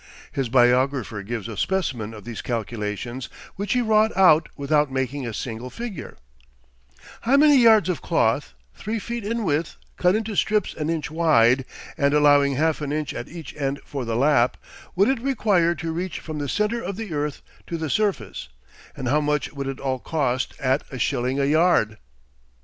His biographer gives a specimen of these calculations which he wrought out without making a single figure: "How many yards of cloth, three feet in width, cut into strips an inch wide, and allowing half an inch at each end for the lap, would it require to reach from the centre of the earth to the surface, and how much would it all cost at a shilling a yard?"